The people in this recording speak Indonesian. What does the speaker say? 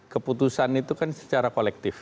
keputusan itu kan secara kolektif